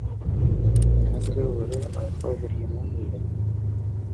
எனக்கு ஒரு அசெளகரியமுமில்லை.